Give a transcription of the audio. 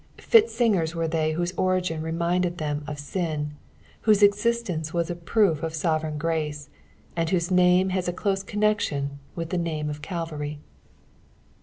f^t singers mere Ihey lehose ori/jin rtmindtd them of sin. whose existence vxia a pnxf tfaovereign grace, and whose navu has u dose eannection ailh the name of iMlvary.